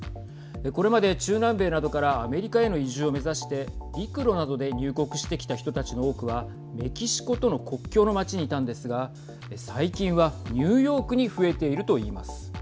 これまで中南米などからアメリカへの移住を目指して陸路などで入国してきた人たちの多くはメキシコとの国境の街にいたんですが最近はニューヨークに増えているといいます。